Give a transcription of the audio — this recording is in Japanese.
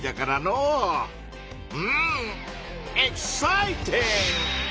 うんエキサイティング！